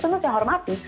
tentu saya hormati